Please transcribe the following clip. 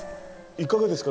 いかがですか？